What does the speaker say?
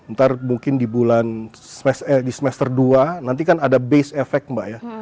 ntar mungkin di bulan di semester dua nanti kan ada based effect mbak ya